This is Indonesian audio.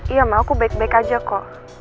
ia mak aku baik baik aja kok